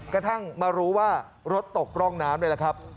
กระทั่งมารู้ว่ารถตกร่องน้ำนี่แหละครับ